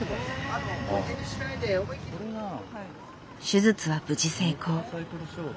手術は無事成功。